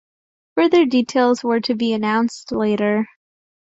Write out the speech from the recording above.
Further details were to be announced later.